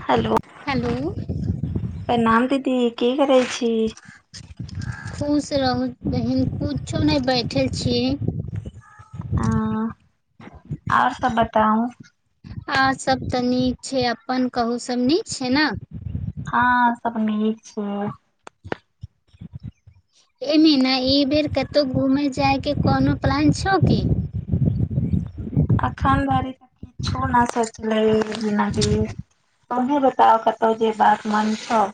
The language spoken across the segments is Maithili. हेलो हेलो प्रणाम दीदी की करै छी खुश रहू बहिन कुछो नहि बैठल छी हाँ आऔर सब बताउ आ सब तऽ नीक छै अपन कहू सब नीक छै ने हाँ सब नीक छै ए मीना एहि बेर कतौ घुमय जायके कोनो प्लान छौ की अखन धरी त किछो ना सोचलिए मीना दी तोहें बताउ कतहु जेबाक मन छअ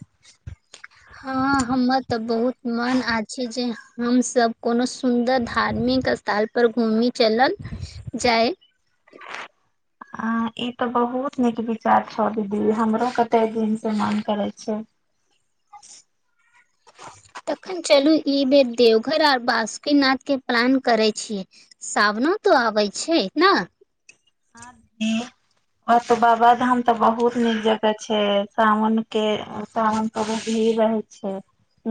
हां हमर तऽ बहुत मन आ छै जे हमस कोनो सुन्दर धार्मिक स्थल पर घूमि चलल जाइ अ ई तऽ बहुत नीक विचार छौ दीदी हमरो कते दिन से मन करे छै तखन चलू ई बेर देवघर आर बासुकीनाथ के प्लान करे छिय सावनो तो आबै छै ने हुँ व त बाबा धाम त बहुत नीक जगह छै सावन के सावन भीड़ रहै छै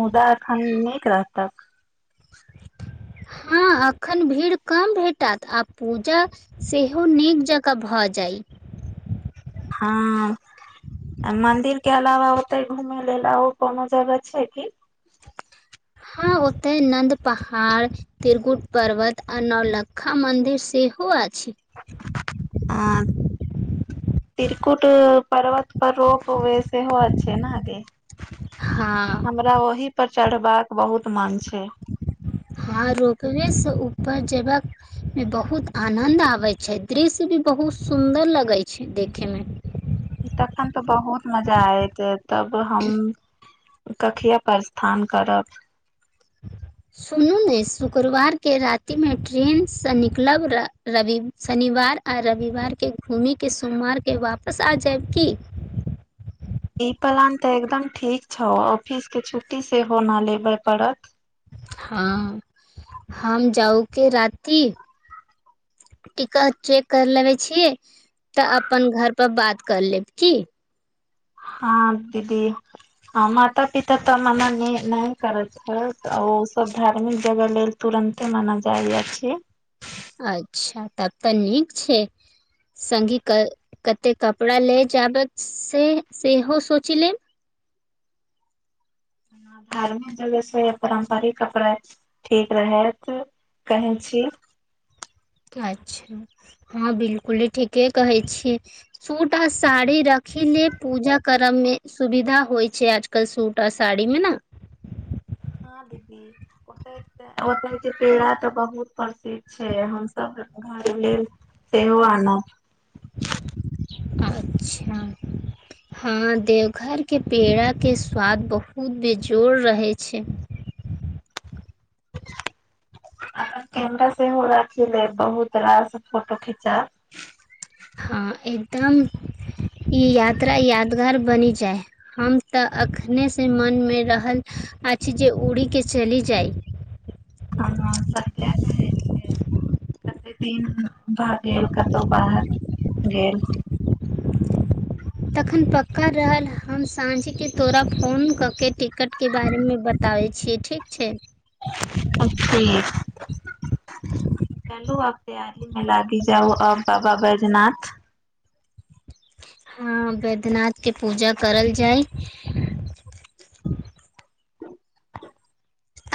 मुदा अखन नीक रहतह हाँ एखन भीड़ कम भेटत आ पूजा सेहो नीक जका भऽ जाइ हाँ मंदिर के अलावा ओते घूमय लेल और कोनो जगह छै की हँ ओतय नन्द पहाड़ त्रिकुट पर्वत आर नौलक खा मन्दिर सेहो अछि आं त्रिकुट पर्वत पर रोपवे सेहो अच्छे ना गे हाँ हमरा ओहि पर चढ़बाक बहुत मन छै हँ रोपवे सँ ऊपर जबहक मे बहुत आनद आबे छै दृश्य भी बहुत सुदर लगे छै देखे मे तखन तऽ बहुत मजा आयत तब हम कखिया प्रस्थान करब हं [inaudible] सुनू ने शुक्रवार के रात्रि में ट्रेनसँ निकलब रवि शनिवार आ रविवारके घूमिके सोमवार के वापस आ जायब की ई प्लान ते एकदम ठीक छौ ऑफिस के छुट्टी सेहो न लेबे पड़त हँ हम जाउके राति टिकट चेक कर लेबे छियै तऽ अपन घर पर बात कर लेब की हँ दीदी आ माता पिता तऽ मना नहि करैत ह ओ सब धार्मिक जगह लेल तुरंते मान जाइ छै अच्छा तब तऽ नीक छै संगि कते कपड़ा ले जाबत से सेहो सोच लेब धार्मिक जगह से पारम्परिक कपड़ा ठीक रहैत कहैन छी अच्छा हँ बिलकुल ठीके कहै छिय सूट आ साड़ी राखी ले पूजा करे मे सुविधा होय छै आज सूट आ साड़ी मे ने हँ दीदी ओतय के पेड़ा तऽ बहुत प्रसिद्ध छै हमसभ घर लेल सेहो आनब अच्छा हँ देवघर के पेड़ा के स्वाद बहुत बेजोड़ रहैत छै आहाँ केमरा सेहो राखि लेब बहुतरास फोटो खिचाव हँ एकदम ई यात्रा यादगार बनि जाय हम तऽ एखनेसँ मनमे रहल अछि जे उड़ीके चलि जाइ हँ सत्य कहय छै कते दिन भए गेल कतहु बाहर गेल तखन पक्का रहल हम साँझेके तोरा फोन कऽ के टिकट के बारेमे बताबै छियै ठीक छै आ ठिक चलू आब तैयार मे लागी जाउ अ बाबा बैद्यनाथ हँ बैद्यनाथ के पूजा करल जाइ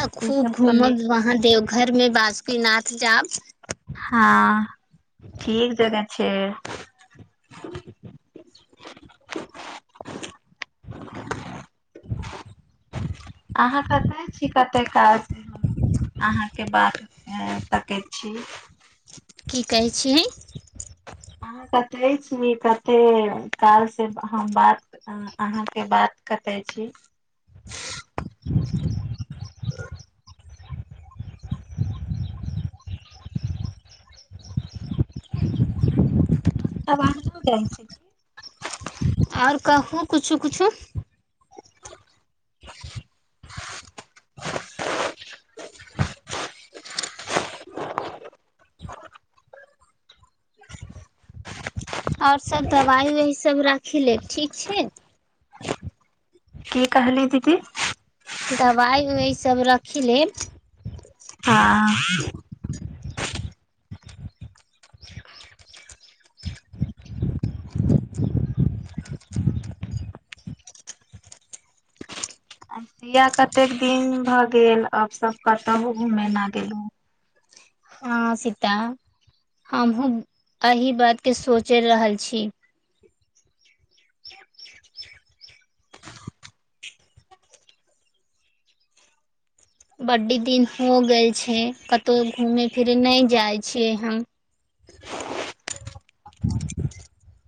आ ई खूब सब पने घूमब वहां देवघर में बासुकीनाथ जाउ हँ ठीक जगह छै अहाँ कत छी कते काज अहाँ के बात हँ ताकै छी की कहै छियै अहाँ कते छी कते काल से हम बात अहाँके बात कतै छी हँ [inaudible] ह [inaudible] [inaudible] आवाज नजाय छै आओर कहू किछू किछु आओर सब दवाइ उवाइ सब राखि लेब ठीक छै की कहली दीदी दवाइ उइ सब राखि लेब हाँ अ सिया कतेक दिन भऽ गेल अब सब कतहु घुमेना गेलु हँ सीता हमहुँ एहि बातके सोचि रहल छी बड्ड दिन हो गेल छै कतहु घूमे फिरे नहि जाय छियै हम ह [inaudible]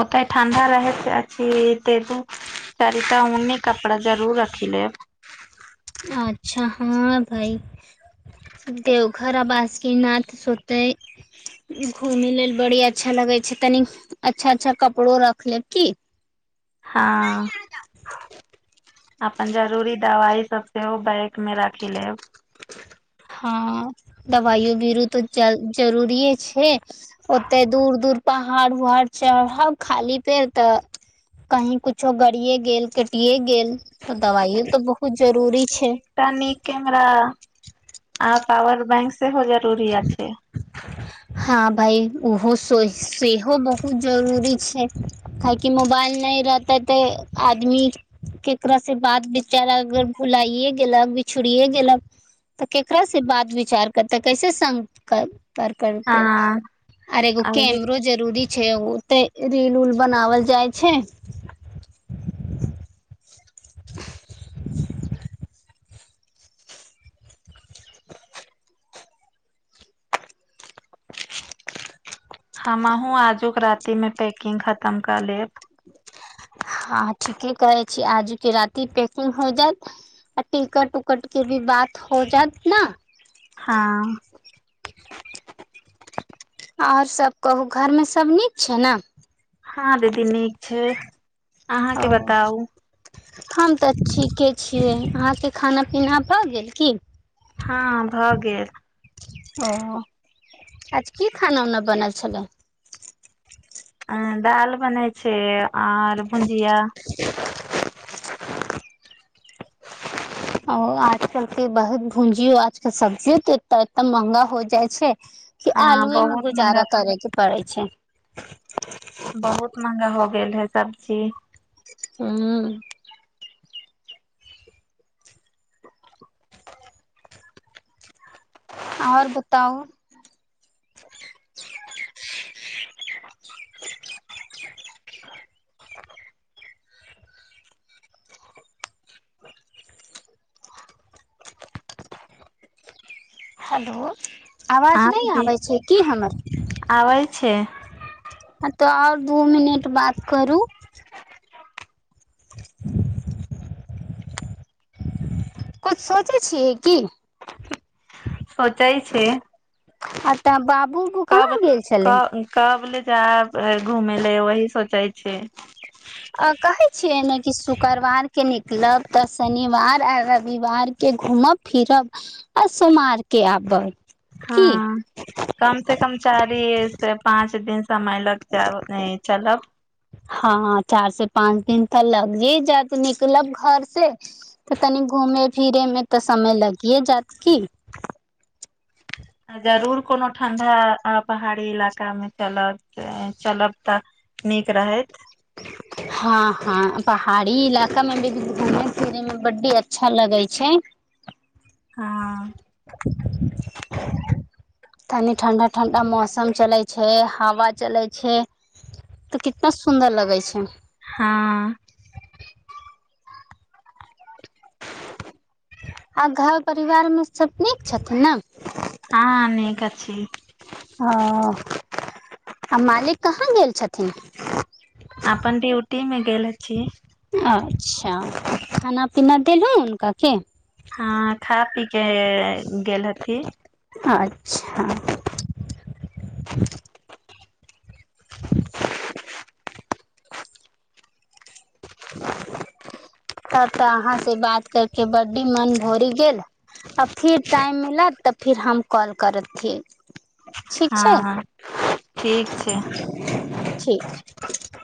ओते ठण्डा रहे अछी एते बुक तबी त उऊन्नी कपड़ा जरूर रखि लेब अच्छा हँ भइ देवघर आ बासकीनाथ सुते घूमय लेल बड़ी अच्छा लगे छै तनी अच्छा अच्छा कपड़ो रख लेब की हाँ अपन जरूरी दवाई सब सेहो बैंग मे राखि लेब हाँ दवाइयो बीरो तऽ जय जरुरी छै ओते दूर दूर पहाड़ उहाड़ चढ़ब खाली पैर तऽ कहीं कुछो गड़िये गेल कटिे गेल तऽ दबाइे तऽ बहुत जरूरी छै तनिक नीक कैमरा आ पावर बैंक सेहो जरूरी अछि हाँ भाय ओहो से सेहो बहुत जरूरी छै हय की मोबाइल नहि रहते तऽ आदमी की प्रसिप्राय से चेहरा विचारा अगर भुलाइए गेलक बिछड़िये गेलक तऽ केकरा से बात विचार करते कैसे संग कर कर करते हँ आर एगो अभी कैमरो जे जरूरी छै ओ तऽ रील ऊल बनावल जाइ छै [inaudible] [inaudible] हमहु आजुक राती में पैकिंग खतम कर लेब हाँ ठीके कहै छी आजु के राति पैकिंग हो जायएत आ टिकट उकट के भी बात हो जात न हाँ आऔर सब कहू घर में सभ नीक छै ने हाँ दीदी नीक छै अहाँ के ओ बताउ हम तऽ ठीके छियै अहाँ के खाना पीना भऽ गेल की हाँ भऽ गेल ओ आज की खाना उना बनल छलै अऽ दाल बनै छै आर भुजिया [inaudible] ओ आजकल के बहुत भुंजियो आजकल सब्जियो तऽ ए एत महंगा हो जाइ छै कि हँ आलुए में बहुत गुजारा महंगा करे के पड़ै छै बहुत महंगा हो गेल है सब्जी हूँ आऔर बताउ हलो हाँ दीदी अबैए छै ह तो आऔर दू मिनट बात करू [inaudible] [inaudible] किछु सोचै छियै की सोचइ छी आ तऽ बाबू बु कहाँ गेल छले कब कब ले जायब घूमेले वही सोचे छी आ कहै छियै ने कि शुक्रवार के निकलब तऽ शनिवार आ रविवार के घूमब फिरब आ सोमार के आबब की हाँ कम से कम चारि से पाँच दिन समय लग जाब नइ चलब हँ चार से पाँच दिन तऽ लगि जात निकलब घर से तऽ तनी घूमै फिरै मे तऽ समय लगिए जायत कि जरूर कोनो ठंडा आ पहाड़ी इलाका मे चलब चलब तऽ नीक रहैत हँ हँ पहाड़ी इलाका में भी घूमेय फिरे मे बड्डी अच्छा लगे छै हँ तनी ठंडा ठंडा मौसम चले छै हवा चले छै तऽ कितना सुन्दर लगै छै हँ आ घर परिवार में सभ नीक छथिन ने हँ नीक अछी ओ आ मालिक कहाँ गेल छथिन अपन ड्यूटी मे गेल अछि अच्छा खाना पीना देलहु हुनका की हँ खा पी के गेल हथी अच्छा तब तऽ अहाँ से बात करके बड्डी मन भरि गेल आ फिर टाइम मिलत तऽ फिर हम कॉल करथि ठीक छै हँ ठीक छै ठीक